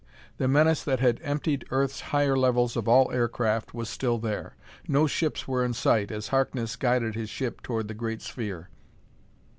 The menace that had emptied Earth's higher levels of all aircraft was still there. No ships were in sight, as Harkness guided his ship toward the great sphere.